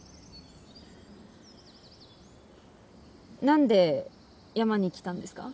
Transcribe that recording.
何で山に来たんですか？